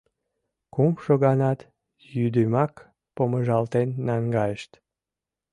Кумшо ганат йӱдымак помыжалтен наҥгайышт.